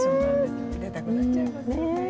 出たくなっちゃますよねぇ。